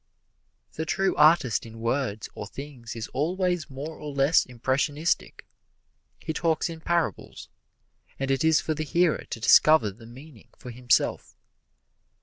The true artist in words or things is always more or less impressionistic he talks in parables, and it is for the hearer to discover the meaning for himself.